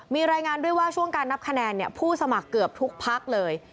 มีรายงานด้วยว่าช่วงการนับคะแนนผู้สมัครเกือบทุกพักเลย